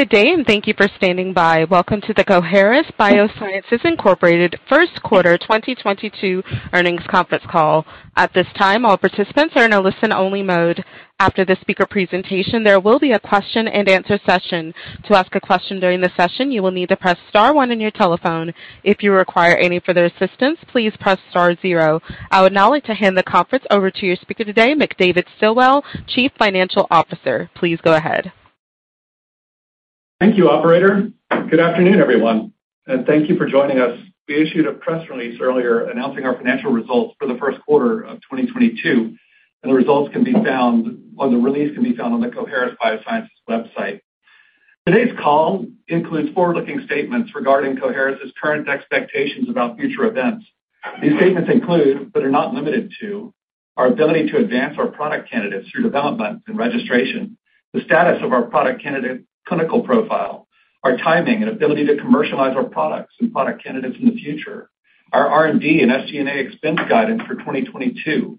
Good day, and thank you for standing by. Welcome to the Coherus BioSciences, Inc. First Quarter 2022 Earnings Conference Call. At this time, all participants are in a listen-only mode. After the speaker presentation, there will be a question-and-answer session. To ask a question during the session, you will need to press star one on your telephone. If you require any further assistance, please press star zero. I would now like to hand the conference over to your speaker today, McDavid Stilwell, Chief Financial Officer. Please go ahead. Thank you, operator. Good afternoon, everyone, and thank you for joining us. We issued a press release earlier announcing our financial results for the first quarter of 2022, and the release can be found on the Coherus BioSciences website. Today's call includes forward-looking statements regarding Coherus's current expectations about future events. These statements include, but are not limited to, our ability to advance our product candidates through development and registration, the status of our product candidate clinical profile, our timing and ability to commercialize our products and product candidates in the future, our R&D and SG&A expense guidance for 2022,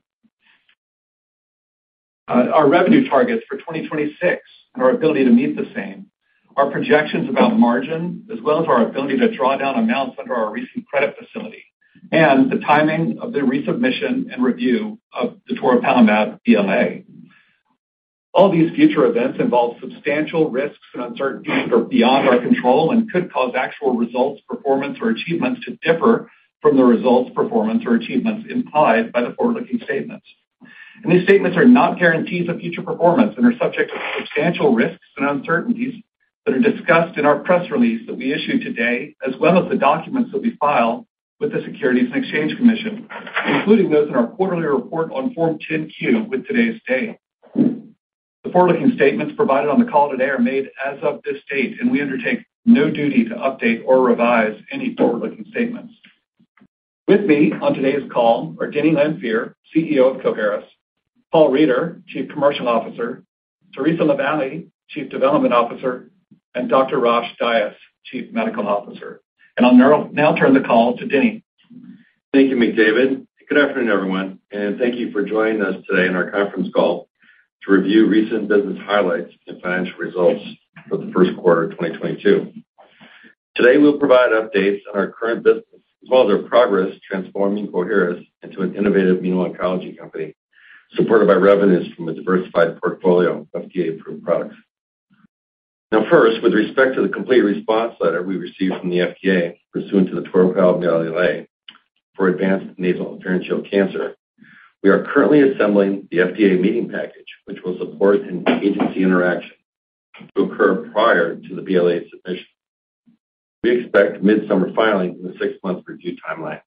our revenue targets for 2026 and our ability to meet the same, our projections about margin, as well as our ability to draw down amounts under our recent credit facility, and the timing of the resubmission and review of the toripalimab BLA. All these future events involve substantial risks and uncertainties that are beyond our control and could cause actual results, performance, or achievements to differ from the results, performance, or achievements implied by the forward-looking statements. These statements are not guarantees of future performance and are subject to substantial risks and uncertainties that are discussed in our press release that we issued today, as well as the documents that we file with the Securities and Exchange Commission, including those in our quarterly report on Form 10-Q with today's date. The forward-looking statements provided on the call today are made as of this date, and we undertake no duty to update or revise any forward-looking statements. With me on today's call are Dennis Lanfear, CEO of Coherus, Paul Reider, Chief Commercial Officer, Theresa LaVallee, Chief Development Officer, and Dr. Rosh Dias, Chief Medical Officer. I'll now turn the call to Dennis. Thank you, McDavid Stilwell. Good afternoon, everyone, and thank you for joining us today on our conference call to review recent business highlights and financial results for the first quarter of 2022. Today, we'll provide updates on our current business, as well as our progress transforming Coherus into an innovative immuno-oncology company, supported by revenues from a diversified portfolio of FDA-approved products. Now first, with respect to the complete response letter we received from the FDA pursuant to the toripalimab BLA for advanced nasopharyngeal cancer, we are currently assembling the FDA meeting package, which will support an agency interaction to occur prior to the BLA submission. We expect mid-summer filing in the six-month review timeline.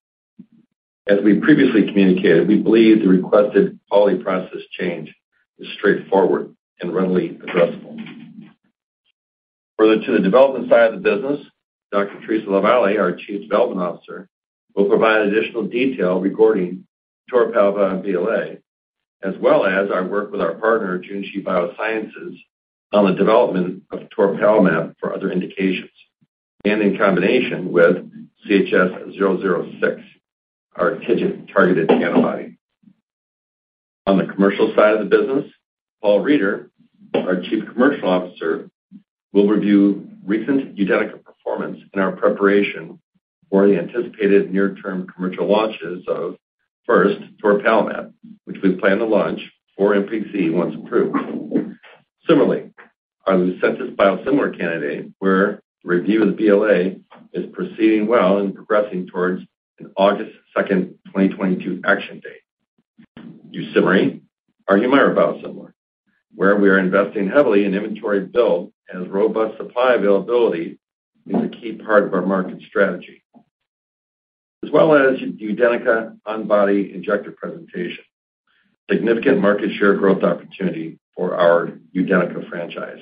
As we previously communicated, we believe the requested quality process change is straightforward and readily addressable. Further to the development side of the business, Dr. Theresa LaVallee, our Chief Development Officer, will provide additional detail regarding toripalimab BLA, as well as our work with our partner, Junshi Biosciences, on the development of toripalimab for other indications, and in combination with CHS-006, our targeted antibody. On the commercial side of the business, Paul Reider, our Chief Commercial Officer, will review recent UDENYCA performance and our preparation for the anticipated near-term commercial launches of, first, toripalimab, which we plan to launch for NPC once approved. Similarly, on the CIMERLI biosimilar candidate, where review of the BLA is proceeding well and progressing towards an August 2, 2022 action date. YUSIMRY, our Humira biosimilar, where we are investing heavily in inventory build as robust supply availability is a key part of our market strategy. As well as UDENYCA on-body injector presentation, significant market share growth opportunity for our UDENYCA franchise.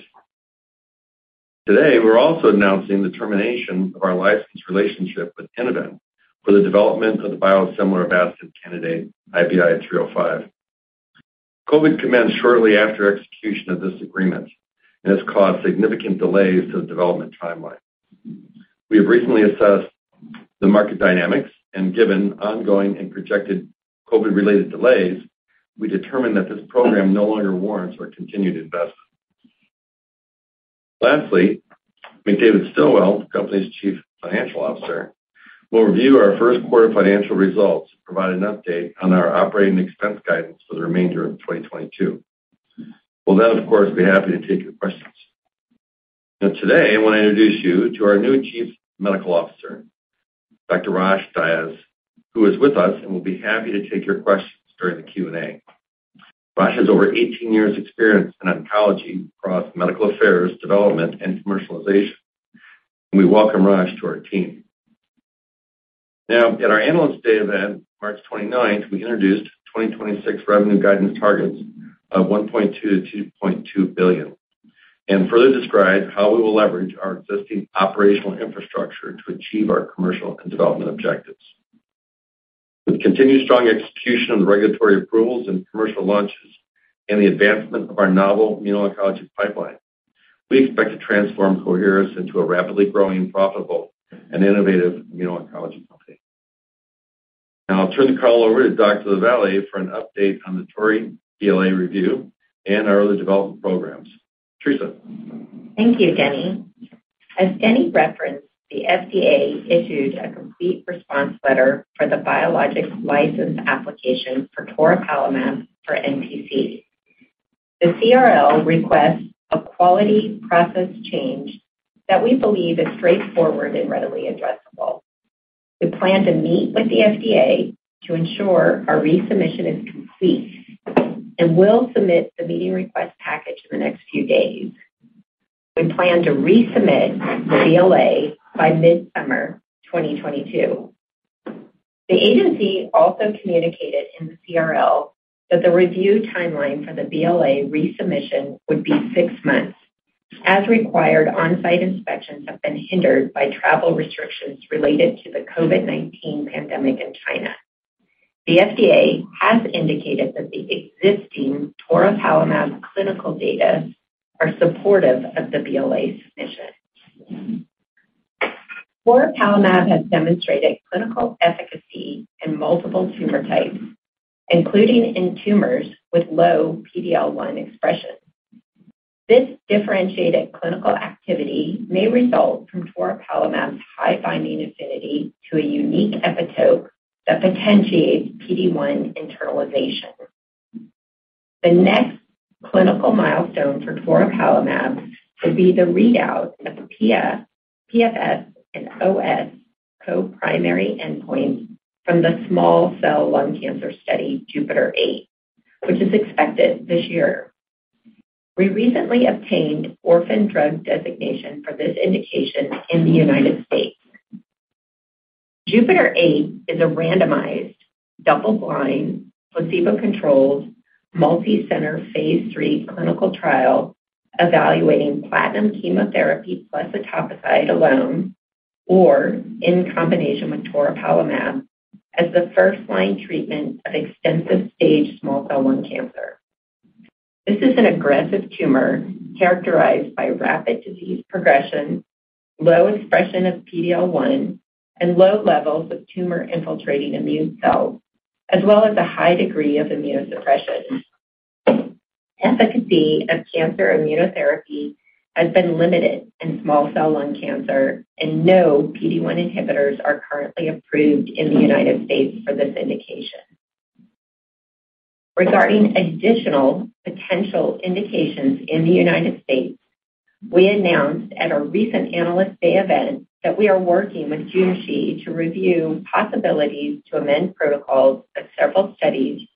Today, we're also announcing the termination of our license relationship with Innovent for the development of the biosimilar Avastin candidate, IBI-305. COVID commenced shortly after execution of this agreement and has caused significant delays to the development timeline. We have recently assessed the market dynamics, and given ongoing and projected COVID-related delays, we determined that this program no longer warrants our continued investment. Lastly, McDavid Stilwell, the company's Chief Financial Officer, will review our first quarter financial results and provide an update on our operating expense guidance for the remainder of 2022. We'll then, of course, be happy to take your questions. Now today, I want to introduce you to our new Chief Medical Officer, Dr. Rosh Dias, who is with us and will be happy to take your questions during the Q&A. Rosh has over 18 years experience in oncology across medical affairs, development, and commercialization. We welcome Rosh to our team. Now, at our Analyst Day event, March twenty-ninth, we introduced 2026 revenue guidance targets of $1.2 billion-$2.2 billion, and further described how we will leverage our existing operational infrastructure to achieve our commercial and development objectives. With continued strong execution of regulatory approvals and commercial launches and the advancement of our novel immuno-oncology pipeline, we expect to transform Coherus into a rapidly growing, profitable, and innovative immuno-oncology company. Now I'll turn the call over to Dr. LaVallee for an update on the toripalimab BLA review and our other development programs. Theresa. Thank you, Denny. As Denny referenced, the FDA issued a complete response letter for the biologics license application for toripalimab for NPC. The CRL requests a quality process change that we believe is straightforward and readily addressable. We plan to meet with the FDA to ensure our resubmission is complete and will submit the meeting request package in the next few days. We plan to resubmit the BLA by mid-summer 2022. The agency also communicated in the CRL that the review timeline for the BLA resubmission would be six months. As required, on-site inspections have been hindered by travel restrictions related to the COVID-19 pandemic in China. The FDA has indicated that the existing toripalimab clinical data are supportive of the BLA submission. Toripalimab has demonstrated clinical efficacy in multiple tumor types, including in tumors with low PD-L1 expression. This differentiated clinical activity may result from toripalimab's high binding affinity to a unique epitope that potentiates PD-1 internalization. The next clinical milestone for toripalimab will be the readout of the PFS and OS co-primary endpoints from the small cell lung cancer study, JUPITER-8, which is expected this year. We recently obtained orphan drug designation for this indication in the United States. JUPITER-8 is a randomized, double-blind, placebo-controlled, multicenter Phase III clinical trial evaluating platinum chemotherapy plus etoposide alone or in combination with toripalimab as the first-line treatment of extensive stage small cell lung cancer. This is an aggressive tumor characterized by rapid disease progression, low expression of PD-L1, and low levels of tumor-infiltrating immune cells, as well as a high degree of immunosuppression. Efficacy of cancer immunotherapy has been limited in small cell lung cancer, and no PD-1 inhibitors are currently approved in the United States for this indication. Regarding additional potential indications in the United States, we announced at our recent Analyst Day event that we are working with Junshi to review possibilities to amend protocols of several studies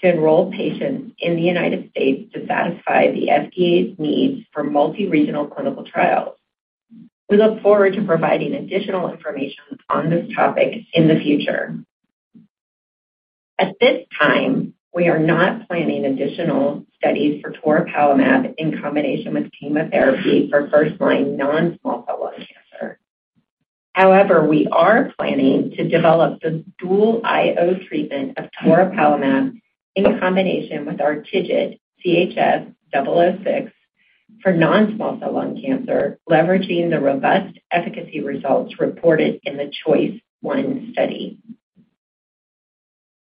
to enroll patients in the United States to satisfy the FDA's needs for multi-regional clinical trials. We look forward to providing additional information on this topic in the future. At this time, we are not planning additional studies for toripalimab in combination with chemotherapy for first-line non-small cell lung cancer. However, we are planning to develop the dual IO treatment of toripalimab in combination with our TIGIT, CHS-006 for non-small cell lung cancer, leveraging the robust efficacy results reported in the CHOICE-01 study.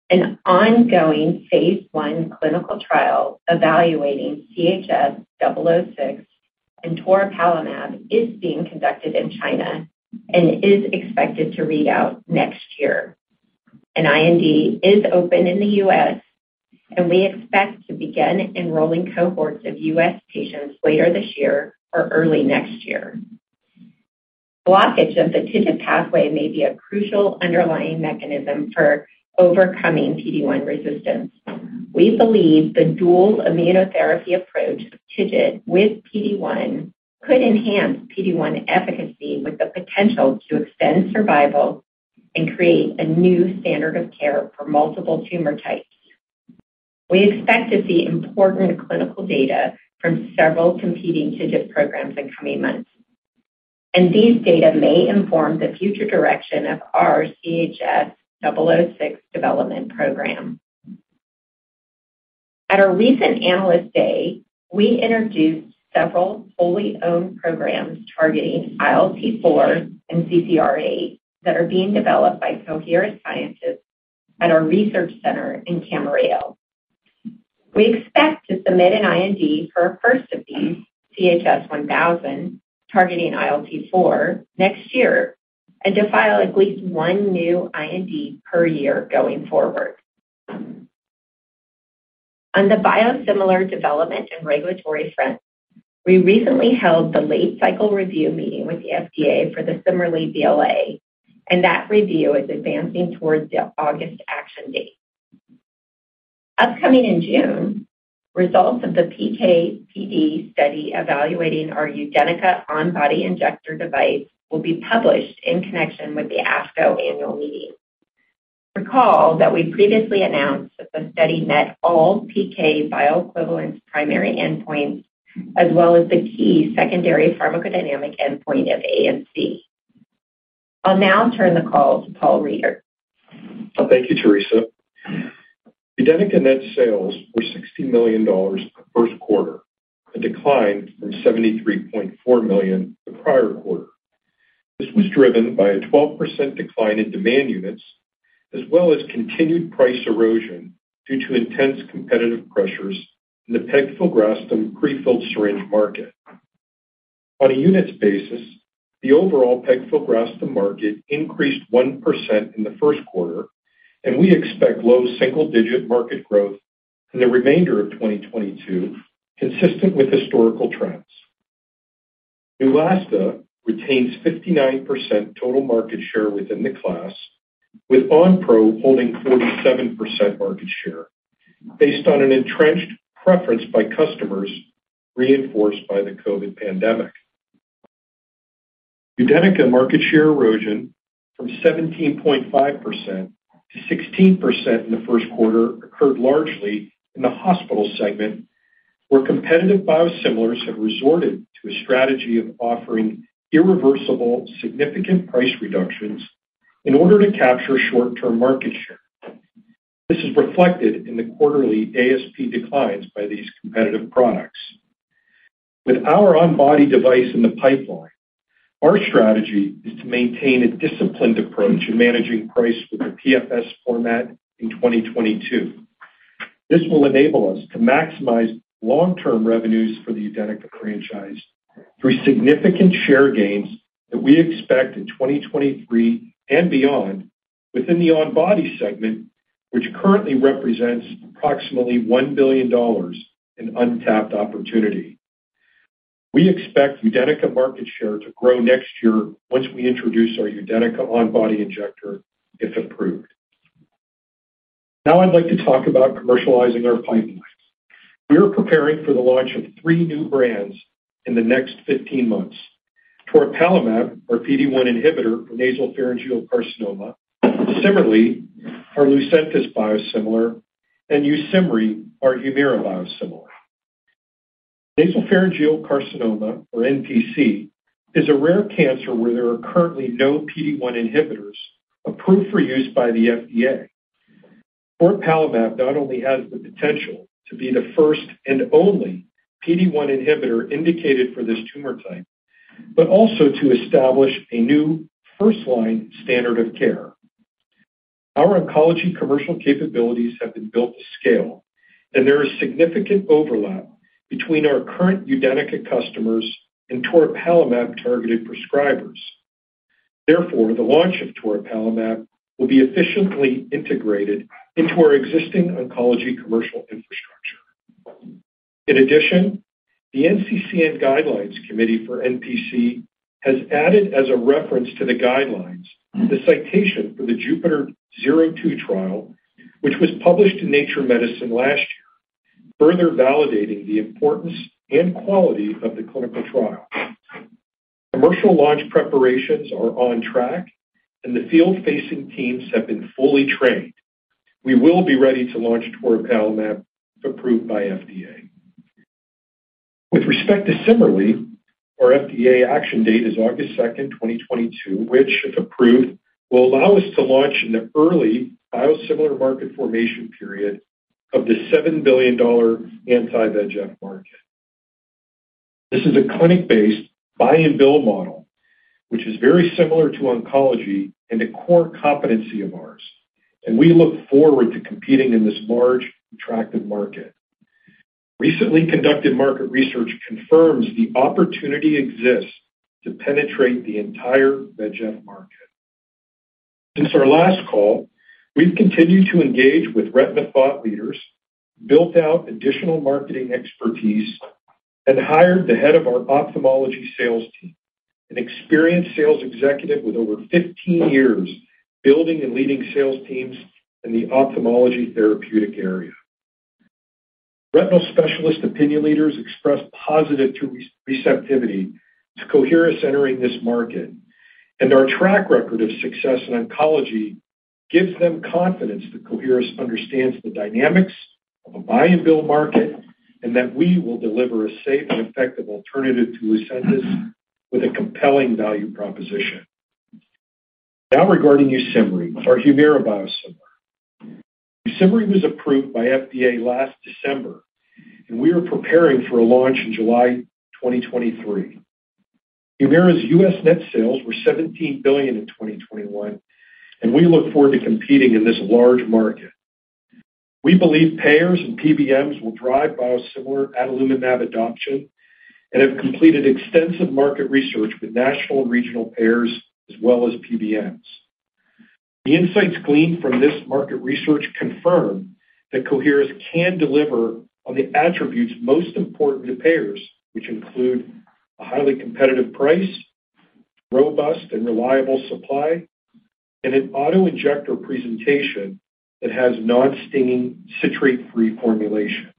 An ongoing phase I clinical trial evaluating CHS-006 and toripalimab is being conducted in China and is expected to read out next year. An IND is open in the U.S., and we expect to begin enrolling cohorts of U.S. patients later this year or early next year. Blockage of the TIGIT pathway may be a crucial underlying mechanism for overcoming PD-1 resistance. We believe the dual immunotherapy approach of TIGIT with PD-1 could enhance PD-1 efficacy with the potential to extend survival and create a new standard of care for multiple tumor types. We expect to see important clinical data from several competing TIGIT programs in coming months, and these data may inform the future direction of our CHS-006 development program. At our recent Analyst Day, we introduced several wholly owned programs targeting ILT-4 and CCR8 that are being developed by Coherus scientists at our research center in Camarillo. We expect to submit an IND for our first of these, CHS-1000, targeting ILT-4 next year and to file at least one new IND per year going forward. On the biosimilar development and regulatory front, we recently held the late cycle review meeting with the FDA for the CIMERLI BLA, and that review is advancing towards the August action date. Upcoming in June, results of the PK/PD study evaluating our UDENYCA on-body injector device will be published in connection with the ASCO annual meeting. Recall that we previously announced that the study met all PK bioequivalence primary endpoints, as well as the key secondary pharmacodynamic endpoint of ANC. I'll now turn the call to Paul Reider. Thank you, Theresa. UDENYCA net sales were $60 million the first quarter, a decline from $73.4 million the prior quarter. This was driven by a 12% decline in demand units, as well as continued price erosion due to intense competitive pressures in the pegfilgrastim prefilled syringe market. On a units basis, the overall pegfilgrastim market increased 1% in the first quarter, and we expect low single-digit market growth in the remainder of 2022, consistent with historical trends. Neulasta retains 59% total market share within the class, with Onpro holding 47% market share based on an entrenched preference by customers reinforced by the COVID pandemic. UDENYCA market share erosion from 17.5% to 16% in the first quarter occurred largely in the hospital segment, where competitive biosimilars have resorted to a strategy of offering irreversible significant price reductions in order to capture short-term market share. This is reflected in the quarterly ASP declines by these competitive products. With our on-body device in the pipeline, our strategy is to maintain a disciplined approach in managing price with the PFS format in 2022. This will enable us to maximize long-term revenues for the UDENYCA franchise through significant share gains that we expect in 2023 and beyond within the on-body segment, which currently represents approximately $1 billion in untapped opportunity. We expect UDENYCA market share to grow next year once we introduce our UDENYCA on-body injector, if approved. Now I'd like to talk about commercializing our pipelines. We are preparing for the launch of three new brands in the next 15 months. Toripalimab, our PD-1 inhibitor for nasopharyngeal carcinoma, CIMERLI, our Lucentis biosimilar, and YUSIMRY, our Humira biosimilar. Nasopharyngeal carcinoma, or NPC, is a rare cancer where there are currently no PD-1 inhibitors approved for use by the FDA. Toripalimab not only has the potential to be the first and only PD-1 inhibitor indicated for this tumor type, but also to establish a new first-line standard of care. Our oncology commercial capabilities have been built to scale and there is significant overlap between our current UDENYCA customers and Toripalimab-targeted prescribers. Therefore, the launch of Toripalimab will be efficiently integrated into our existing oncology commercial infrastructure. In addition, the NCCN Guidelines Committee for NPC has added as a reference to the guidelines the citation for the JUPITER-02 trial, which was published in Nature Medicine last year, further validating the importance and quality of the clinical trial. Commercial launch preparations are on track and the field-facing teams have been fully trained. We will be ready to launch toripalimab if approved by FDA. With respect to CIMERLI, our FDA action date is August 2, 2022, which, if approved, will allow us to launch in the early biosimilar market formation period of the $7 billion anti-VEGF market. This is a clinic-based buy and bill model, which is very similar to oncology and a core competency of ours, and we look forward to competing in this large, attractive market. Recently conducted market research confirms the opportunity exists to penetrate the entire VEGF market. Since our last call, we've continued to engage with retina thought leaders, built out additional marketing expertise, and hired the head of our ophthalmology sales team, an experienced sales executive with over 15 years building and leading sales teams in the ophthalmology therapeutic area. Retina specialist opinion leaders expressed positive receptivity to Coherus entering this market, and our track record of success in oncology gives them confidence that Coherus understands the dynamics of a buy and bill market and that we will deliver a safe and effective alternative to Lucentis with a compelling value proposition. Now regarding YUSIMRY, our Humira biosimilar. YUSIMRY was approved by FDA last December, and we are preparing for a launch in July 2023. Humira's US net sales were $17 billion in 2021, and we look forward to competing in this large market. We believe payers and PBMs will drive biosimilar adalimumab adoption and have completed extensive market research with national and regional payers as well as PBMs. The insights gleaned from this market research confirm that Coherus can deliver on the attributes most important to payers, which include a highly competitive price, robust and reliable supply, and an auto-injector presentation that has non-stinging citrate-free formulation.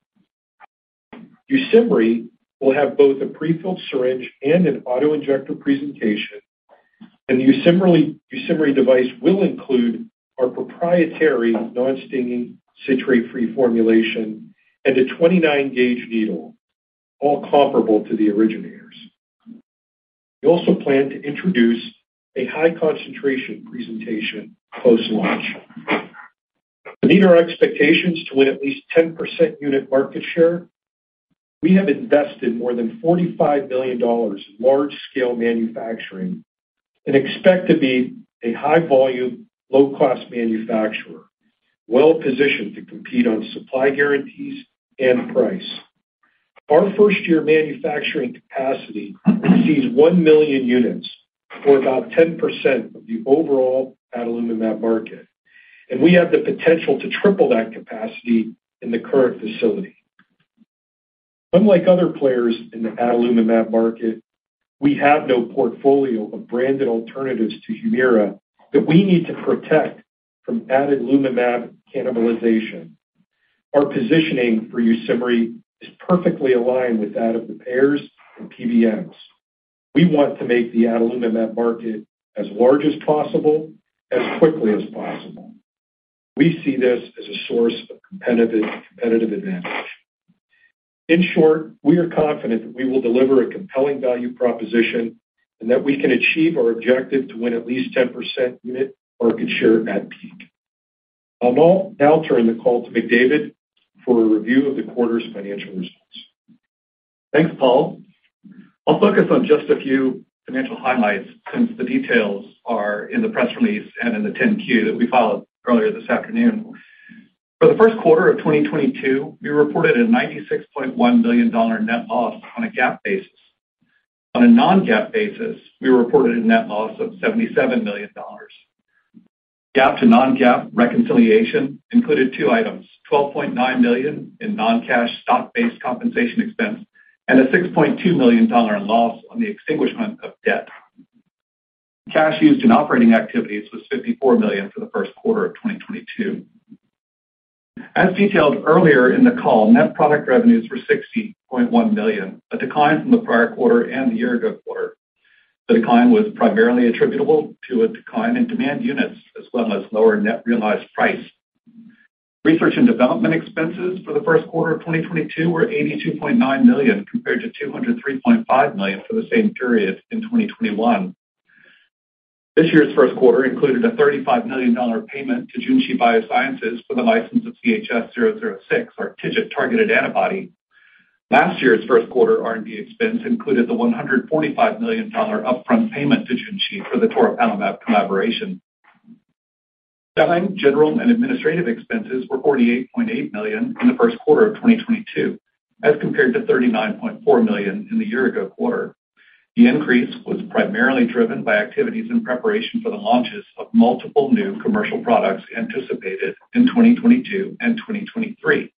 YUSIMRY will have both a pre-filled syringe and an auto-injector presentation, and the YUSIMRY device will include our proprietary non-stinging citrate-free formulation and a 29-gauge needle, all comparable to the originators. We also plan to introduce a high concentration presentation post-launch. To meet our expectations to win at least 10% unit market share, we have invested more than $45 million in large-scale manufacturing and expect to be a high volume, low-cost manufacturer, well-positioned to compete on supply guarantees and price. Our first-year manufacturing capacity exceeds 1 million units, or about 10% of the overall adalimumab market, and we have the potential to triple that capacity in the current facility. Unlike other players in the adalimumab market, we have no portfolio of branded alternatives to Humira that we need to protect from adalimumab cannibalization. Our positioning for YUSIMRY is perfectly aligned with that of the payers and PBMs. We want to make the adalimumab market as large as possible as quickly as possible. We see this as a source of competitive advantage. In short, we are confident that we will deliver a compelling value proposition and that we can achieve our objective to win at least 10% unit market share at peak. I'll now turn the call to McDavid for a review of the quarter's financial results. Thanks, Paul. I'll focus on just a few financial highlights since the details are in the press release and in the 10-Q that we filed earlier this afternoon. For the first quarter of 2022, we reported a $96.1 million net loss on a GAAP basis. On a non-GAAP basis, we reported a net loss of $77 million. GAAP to non-GAAP reconciliation included two items, $12.9 million in non-cash stock-based compensation expense and a $6.2 million loss on the extinguishment of debt. Cash used in operating activities was $54 million for the first quarter of 2022. As detailed earlier in the call, net product revenues were $60.1 million, a decline from the prior quarter and the year ago quarter. The decline was primarily attributable to a decline in demand units, as well as lower net realized price. Research and development expenses for the first quarter of 2022 were $82.9 million, compared to $203.5 million for the same period in 2021. This year's first quarter included a $35 million payment to Junshi Biosciences for the license of CHS-006, our TIGIT-targeted antibody. Last year's first quarter R&D expense included the $145 million upfront payment to Junshi for the toripalimab collaboration. Selling, general, and administrative expenses were $48.8 million in the first quarter of 2022, as compared to $39.4 million in the year ago quarter. The increase was primarily driven by activities in preparation for the launches of multiple new commercial products anticipated in 2022 and 2023.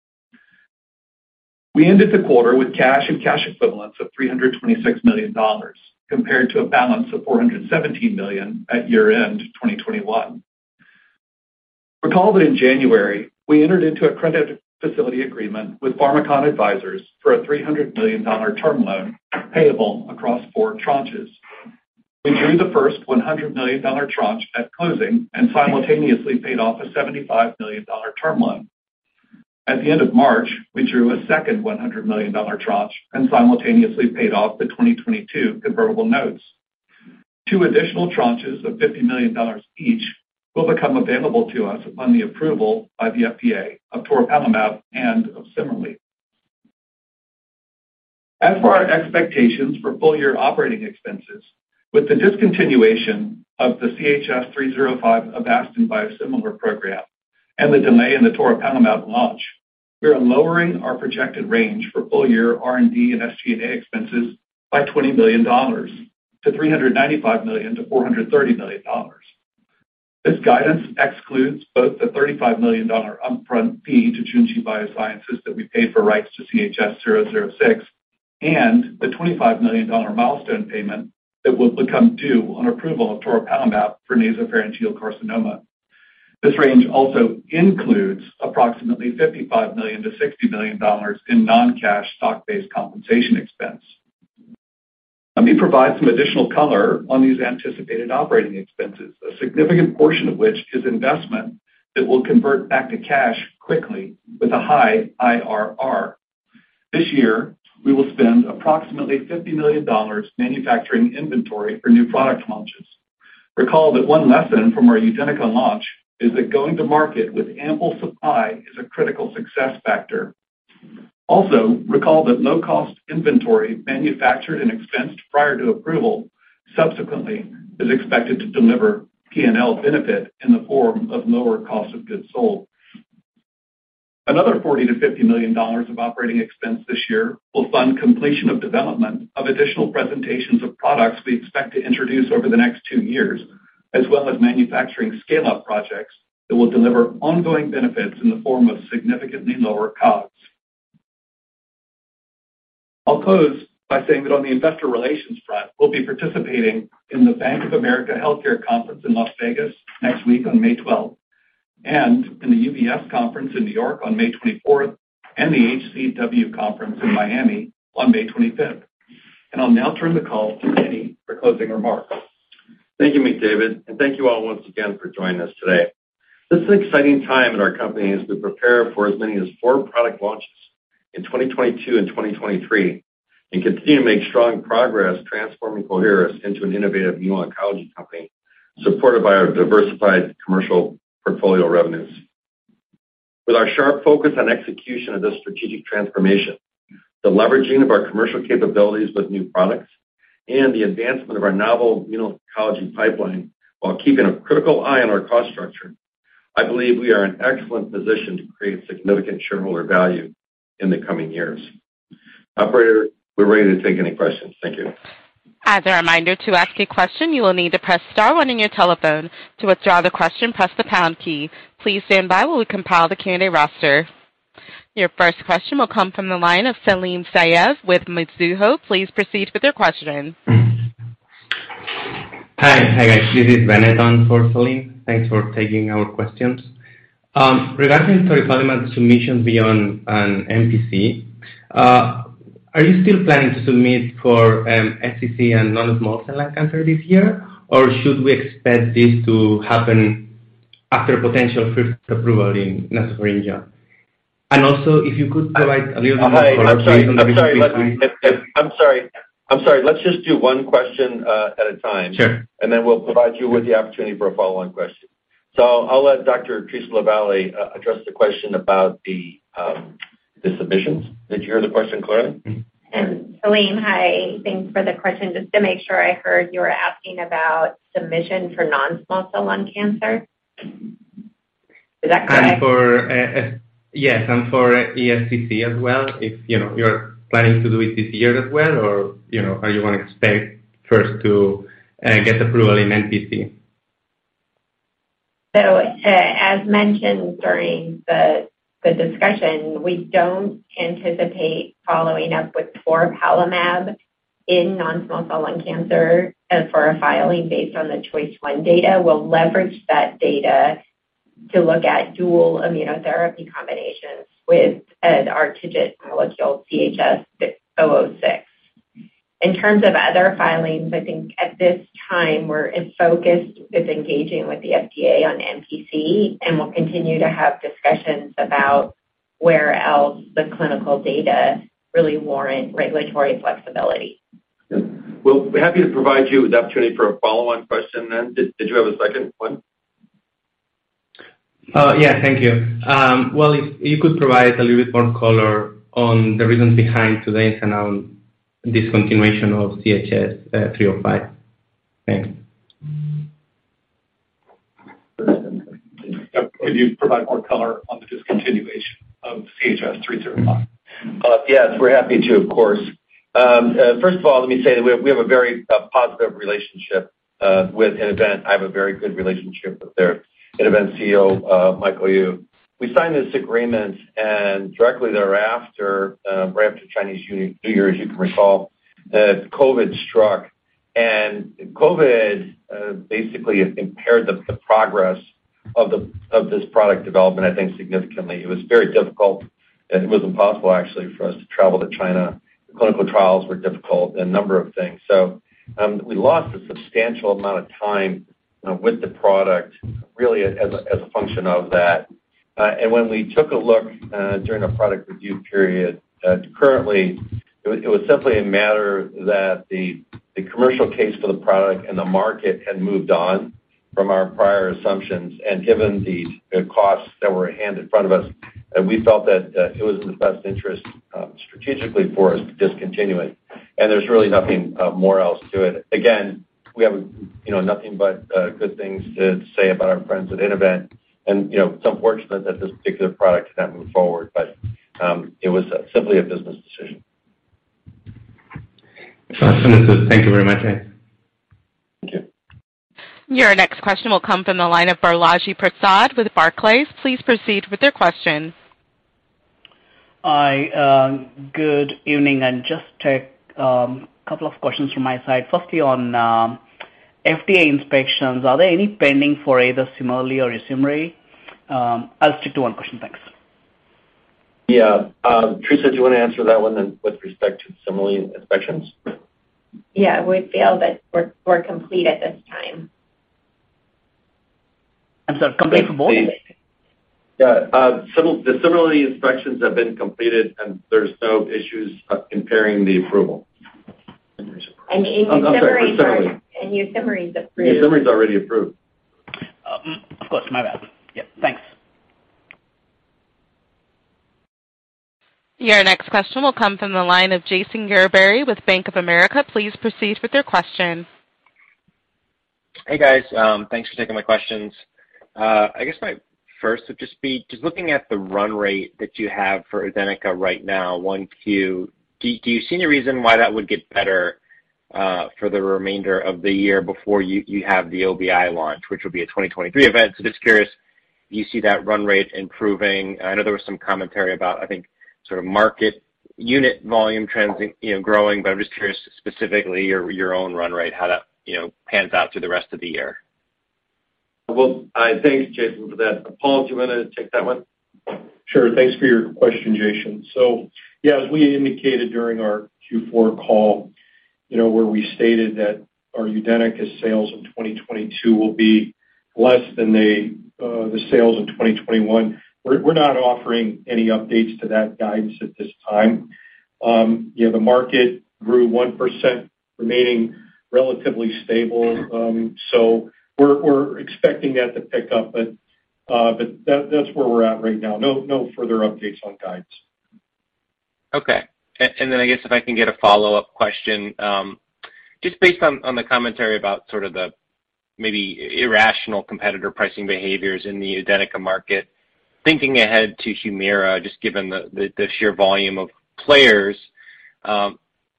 We ended the quarter with cash and cash equivalents of $326 million compared to a balance of $417 million at year-end 2021. Recall that in January, we entered into a credit facility agreement with Pharmakon Advisors for a $300 million term loan payable across four tranches. We drew the first $100 million tranche at closing and simultaneously paid off a $75 million term loan. At the end of March, we drew a second $100 million tranche and simultaneously paid off the 2022 convertible notes. Two additional tranches of $50 million each will become available to us upon the approval by the FDA of toripalimab and of CIMERLI. As for our expectations for full-year operating expenses, with the discontinuation of the CHS-305 Avastin biosimilar program and the delay in the toripalimab launch, we are lowering our projected range for full-year R&D and SG&A expenses by $20 million to $395 million-$430 million. This guidance excludes both the $35 million upfront fee to Junshi Biosciences that we paid for rights to CHS-006 and the $25 million milestone payment that will become due on approval of toripalimab for nasopharyngeal carcinoma. This range also includes approximately $55 million-$60 million in non-cash stock-based compensation expense. Let me provide some additional color on these anticipated operating expenses, a significant portion of which is investment that will convert back to cash quickly with a high IRR. This year, we will spend approximately $50 million manufacturing inventory for new product launches. Recall that one lesson from our UDENYCA launch is that going to market with ample supply is a critical success factor. Also, recall that low-cost inventory manufactured and expensed prior to approval subsequently is expected to deliver P&L benefit in the form of lower cost of goods sold. Another $40 million-$50 million of operating expense this year will fund completion of development of additional presentations of products we expect to introduce over the next two years, as well as manufacturing scale-up projects that will deliver ongoing benefits in the form of significantly lower costs. I'll close by saying that on the investor relations front, we'll be participating in the Bank of America Healthcare conference in Las Vegas next week on May 12, and in the UBS conference in New York on May 24, and the HCW conference in Miami on May 25. I'll now turn the call to Denny for closing remarks. Thank you, McDavid, and thank you all once again for joining us today. This is an exciting time in our company as we prepare for as many as four product launches in 2022 and 2023, and continue to make strong progress transforming Coherus into an innovative immuno-oncology company, supported by our diversified commercial portfolio revenues. With our sharp focus on execution of this strategic transformation, the leveraging of our commercial capabilities with new products, and the advancement of our novel immuno-oncology pipeline while keeping a critical eye on our cost structure, I believe we are in excellent position to create significant shareholder value in the coming years. Operator, we're ready to take any questions. Thank you. As a reminder, to ask a question, you will need to press star one on your telephone. To withdraw the question, press the pound key. Please stand by while we compile the Q&A roster. Your first question will come from the line of Salim Syed with Mizuho. Please proceed with your question. Hi. Hi, guys. This is Bennett on for Salim. Thanks for taking our questions. Regarding toripalimab submissions beyond NPC, are you still planning to submit for ESCC and non-small cell lung cancer this year? Or should we expect this to happen after potential first approval in nasopharyngeal? Also, if you could provide a little more color based on the Hi. I'm sorry. Let's just do one question at a time. Sure. Then we'll provide you with the opportunity for a follow-on question. I'll let Dr. Theresa LaVallee address the question about the submissions. Did you hear the question clearly? Mm-hmm. Salim, hi. Thanks for the question. Just to make sure I heard, you were asking about submission for non-small cell lung cancer. Is that correct? For ESCC as well, if you're planning to do it this year as well, or you know, are you gonna expect first to get approval in NPC? As mentioned during the discussion, we don't anticipate following up with toripalimab in non-small cell lung cancer for a filing based on the CHOICE-01 data. We'll leverage that data to look at dual immunotherapy combinations with and our target molecule CHS-006. In terms of other filings, I think at this time we're focused on engaging with the FDA on NPC, and we'll continue to have discussions about where else the clinical data really warrant regulatory flexibility. We'll be happy to provide you with the opportunity for a follow-on question then. Did you have a second one? Yeah, thank you. Well, if you could provide a little bit more color on the reasons behind today's announced discontinuation of CHS-305? Thanks. Could you provide more color on the discontinuation of CHS-305? Yes, we're happy to of course. First of all, let me say that we have a very positive relationship with Innovent. I have a very good relationship with their Innovent CEO, Michael Yu. We signed this agreement, and directly thereafter, right after Chinese New Year, as you can recall, COVID struck. COVID basically impaired the progress of this product development, I think significantly. It was very difficult, and it was impossible actually for us to travel to China. The clinical trials were difficult and a number of things. We lost a substantial amount of time, with the product really as a function of that. When we took a look during a product review period, currently it was simply a matter that the commercial case for the product and the market had moved on from our prior assumptions. Given the costs that were at hand in front of us, we felt that it was in the best interest strategically for us to discontinue it. There's really nothing more to it. Again, we have nothing but good things to say about our friends at Innovent and, it's unfortunate that this particular product cannot move forward, but it was simply a business decision. Sounds good. Thank you very much. Thank you. Your next question will come from the line of Balaji Prasad with Barclays. Please proceed with your questions. Hi. Good evening, and just a couple of questions from my side. Firstly on FDA inspections, are there any pending for either CIMERLI or YUSIMRY? I'll stick to one question. Thanks. Yeah. Theresa, do you wanna answer that one then with respect to CIMERLI inspections? Yeah. We feel that we're complete at this time. I'm sorry, complete for both of them? Yeah. The CIMERLI inspections have been completed, and there's no issues impairing the approval. And YUSIMRY I'm sorry, summary. UDENYCA is approved. YUSIMRY is already approved. Of course, my bad. Yep. Thanks. Your next question will come from the line of Jason Gerberry with Bank of America. Please proceed with your question. Hey, guys. Thanks for taking my questions. I guess my first would just be looking at the run rate that you have for UDENYCA right now, 1Q. Do you see any reason why that would get better for the remainder of the year before you have the OBI launch, which will be a 2023 event? Just curious, do you see that run rate improving? I know there was some commentary about, I think, sort of market unit volume trends, you know, growing, but I'm just curious specifically your own run rate, how that pans out through the rest of the year. Well, I thank Jason for that. Paul, do you want to take that one? Thanks for your question, Jason. Yeah, as we indicated during our Q4 call, you know, where we stated that our UDENYCA sales in 2022 will be less than the sales in 2021, we're not offering any updates to that guidance at this time. The market grew 1%, remaining relatively stable. We're expecting that to pick up. But that's where we're at right now. No further updates on guidance. Okay. Then I guess if I can get a follow-up question, just based on the commentary about sort of the maybe irrational competitor pricing behaviors in the UDENYCA market, thinking ahead to Humira, just given the sheer volume of players,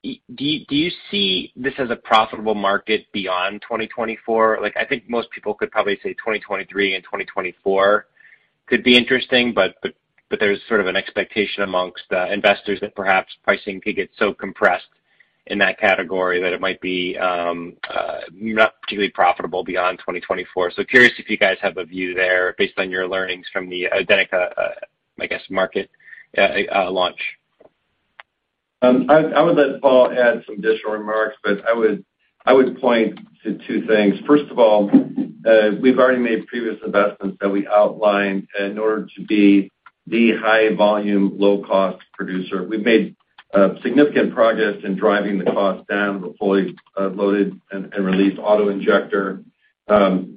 do you see this as a profitable market beyond 2024? Like, I think most people could probably say 2023 and 2024 could be interesting, but there's sort of an expectation among the investors that perhaps pricing could get so compressed in that category that it might be not particularly profitable beyond 2024. Curious if you guys have a view there based on your learnings from the UDENYCA, I guess, market launch. I would let Paul add some additional remarks, but I would point to two things. First of all, we've already made previous investments that we outlined in order to be the high volume, low-cost producer. We've made significant progress in driving the cost down with fully loaded and released auto-injector,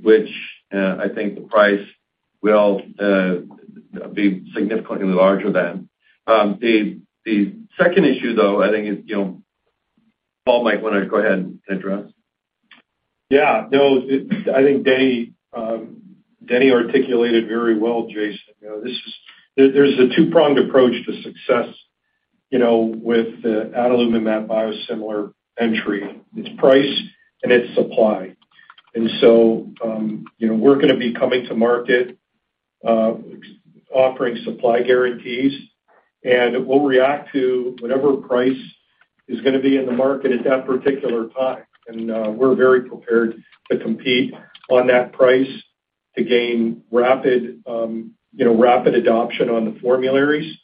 which I think the price will be significantly larger than. The second issue though, I think is Paul might wanna go ahead and address. Yeah, no, I think Denny articulated very well, Jason. There's a two-pronged approach to success, you know, with the adalimumab biosimilar entry. It's price and it's supply. You know, we're gonna be coming to market, offering supply guarantees, and we'll react to whatever price is gonna be in the market at that particular time. We're very prepared to compete on that price to gain rapid adoption on the formularies,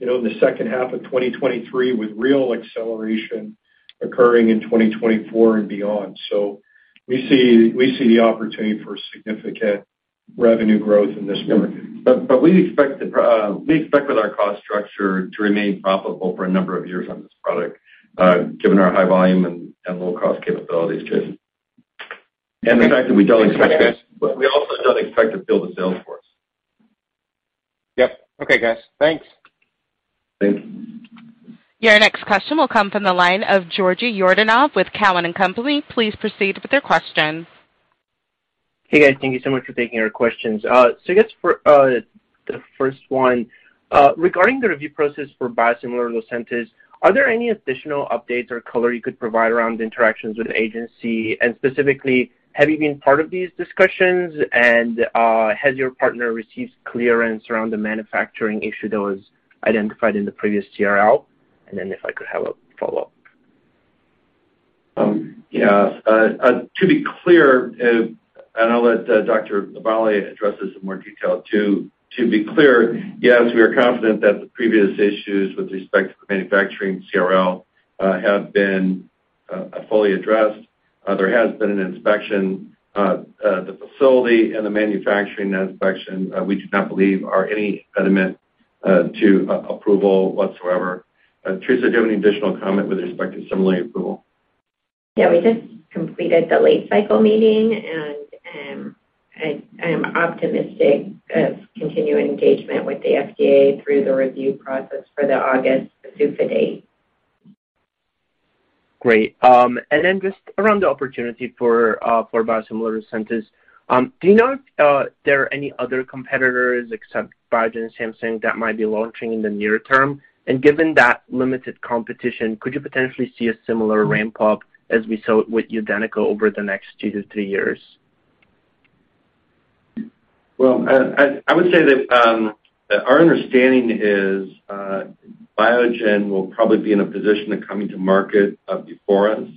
in the second half of 2023, with real acceleration occurring in 2024 and beyond. We see the opportunity for significant revenue growth in this market. Yeah. We expect with our cost structure to remain profitable for a number of years on this product, given our high volume and low cost capabilities, Jason. The fact that we don't expect it. We also don't expect to build a sales force. Yep. Okay, guys. Thanks. Thank you. Your next question will come from the line of Georgi Yordanov with Cowen and Company. Please proceed with your questions. Hey, guys. Thank you so much for taking our questions. I guess for the first one, regarding the review process for biosimilar Lucentis, are there any additional updates or color you could provide around interactions with the agency? Specifically, have you been part of these discussions? Has your partner received clearance around the manufacturing issue that was identified in the previous CRL? If I could have a follow-up. To be clear, and I'll let Dr. LaVallee address this in more detail too. To be clear, yes, we are confident that the previous issues with respect to the manufacturing CRL have been fully addressed. There has been an inspection of the facility and the manufacturing inspection we do not believe are any impediment to approval whatsoever. Theresa, do you have any additional comment with respect to UDENYCA approval? Yeah, we just completed the late cycle meeting, and I am optimistic of continuing engagement with the FDA through the review process for the August PDUFA date. Great. Just around the opportunity for biosimilar Lucentis. Do you know if there are any other competitors except Biogen and Samsung that might be launching in the near term? Given that limited competition, could you potentially see a similar ramp up as we saw with UDENYCA over the next 2 to 3 years? Well, I would say that our understanding is Biogen will probably be in a position of coming to market before us.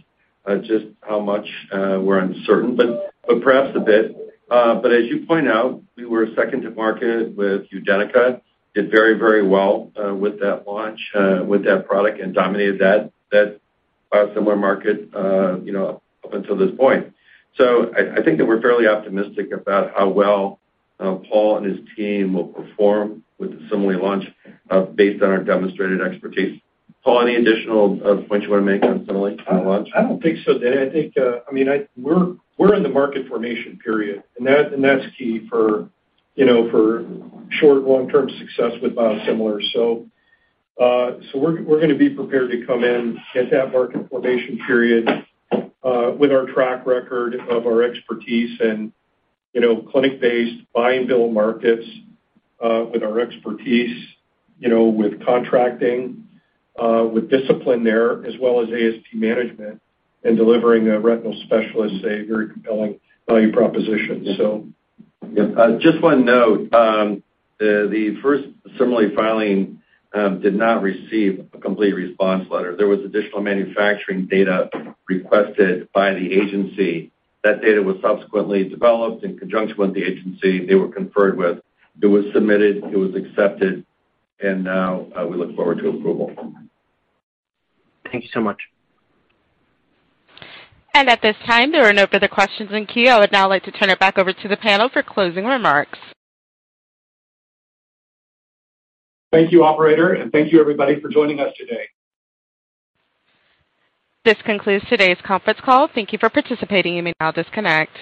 Just how much we're uncertain, but perhaps a bit. As you point out, we were second to market with UDENYCA. Did very, very well with that launch, with that product and dominated that biosimilar market, up until this point. I think that we're fairly optimistic about how well Paul and his team will perform with the CIMERLI launch, based on our demonstrated expertise. Paul, any additional points you wanna make on CIMERLI for the launch? I don't think so, Denny. I think, I mean, we're in the market formation period, and that's key for, you know, short- and long-term success with biosimilar. We're gonna be prepared to come in at that market formation period with our track record of our expertise and, you know, clinic-based buy and bill markets with our expertise, you know, with contracting with discipline there, as well as ASP management and delivering a retinal specialist a very compelling value proposition. Yep. Just one note. The first sBLA filing did not receive a complete response letter. There was additional manufacturing data requested by the agency. That data was subsequently developed in conjunction with the agency they conferred with. It was submitted, it was accepted, and now we look forward to approval. Thank you so much. At this time, there are no further questions in queue. I would now like to turn it back over to the panel for closing remarks. Thank you, operator, and thank you everybody for joining us today. This concludes today's conference call. Thank you for participating. You may now disconnect.